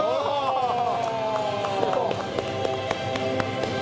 ハハハハ！